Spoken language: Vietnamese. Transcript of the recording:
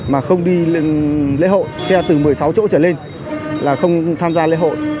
mà không đi lễ hội xe từ một mươi sáu chỗ trở lên là không tham gia lễ hội